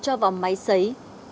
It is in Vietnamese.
cho vào máy sấy